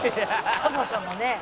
「そもそもね」